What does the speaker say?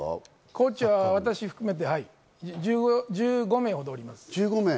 コーチは私含めて１５名おります。